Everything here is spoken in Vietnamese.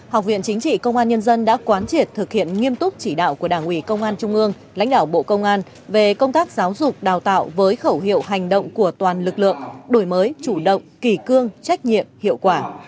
học viện chính trị công an nhân dân đã quán triệt thực hiện nghiêm túc chỉ đạo của đảng ủy công an trung ương lãnh đạo bộ công an về công tác giáo dục đào tạo với khẩu hiệu hành động của toàn lực lượng đổi mới chủ động kỳ cương trách nhiệm hiệu quả